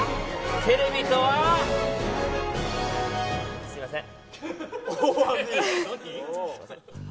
テレビとは、すみません。